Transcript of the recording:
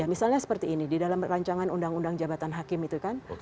misalnya seperti ini di dalam rancangan undang undang jabatan hakim itu kan